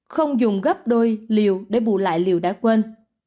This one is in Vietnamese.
không dùng gấp đôi lưu để bù lại lưu đã quên